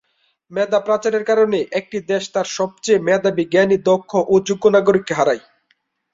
মেধা পাচারের কারণে একটি দেশ তার সবচেয়ে মেধাবী, জ্ঞানী, দক্ষ ও যোগ্য নাগরিককে হারায়।